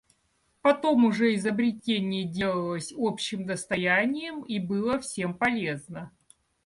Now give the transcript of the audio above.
Потом уже изобретение делалось общим достоянием и было всем полезно.